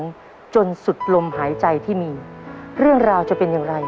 จนสุดลมหายใจที่มีเรื่องราวจะเป็นอย่างไร